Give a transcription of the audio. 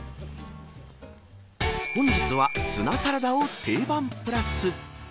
本日はツナサラダをテイバンプラス。